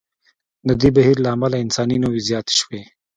د دې بهیر له امله انساني نوعې زیاتې شوې.